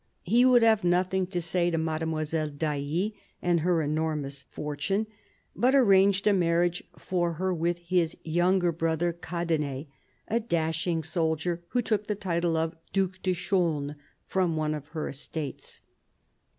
He would have nothing to say to Mademoiselle d'Ailly and her enormous fortune, but arranged a marriage for her with his younger brother Cadenet, a dashing soldier, who took the title of Due de Chaulnes from one of her estates.